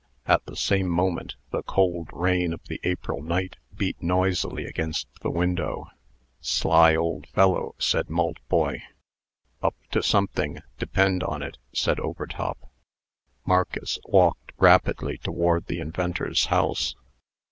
At the same moment, the cold rain of the April night beat noisily against the window. "Sly old fellow!" said Maltboy. "Up to something, depend on it," said Overtop. Marcus walked rapidly toward the inventor's house.